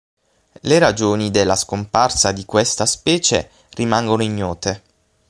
Le ragioni della scomparsa di questa specie rimangono ignote.